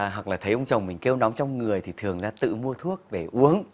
hoặc là thấy ông chồng mình kêu nóng trong người thì thường ra tự mua thuốc để uống